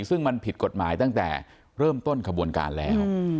ซึ่งมันผิดกฎหมายตั้งแต่เริ่มต้นขบวนการแล้ว